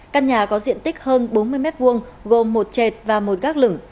căn nhà có diện tích hơn bốn mươi m hai gồm một chệt và một gác lửng